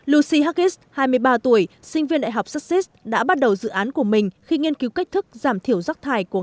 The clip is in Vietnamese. lucy huggins hai mươi ba tuổi sinh viên đại học succes đã bắt đầu dự án của mình khi nghiên cứu cách thức giảm thiểu rác thải nhựa